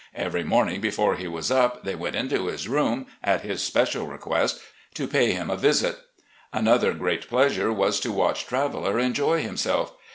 Every morning before he was up they went into his room, at his special request, to pay him a visit. Another great pleasure was to watch Traveller enjoy himself.